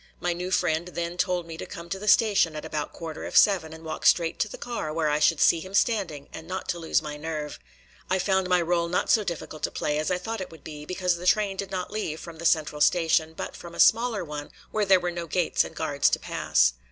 My new friend then told me to come to the station at about a quarter of seven and walk straight to the car where I should see him standing, and not to lose my nerve. I found my role not so difficult to play as I thought it would be, because the train did not leave from the central station, but from a smaller one, where there were no gates and guards to pass.